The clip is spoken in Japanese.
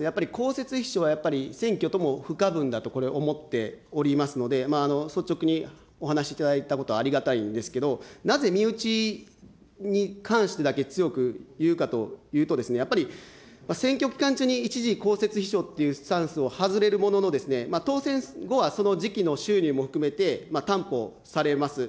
やっぱり公設秘書は、やっぱり選挙とも不可分だとこれ、思っておりますので、率直にお話しいただいたことはありがたいんですけど、なぜ身内に関してだけ強く言うかというと、やっぱり、選挙期間中に一時公設秘書っていうスタンスを外れるものの、当選後はその時期の収入も含めて担保されます。